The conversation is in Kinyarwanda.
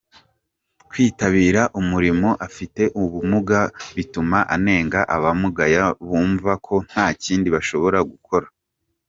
Kwitabira umurimo afite ubumuga bituma anenga abamugaye bumva ko nta kindi bashobora gukora